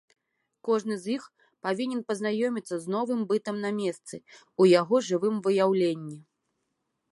Кожны з іх павінен пазнаёміцца з новым бытам на месцы, у яго жывым выяўленні.